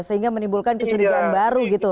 sehingga menimbulkan kecurigaan baru gitu